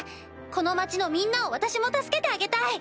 この町のみんなを私も助けてあげたい！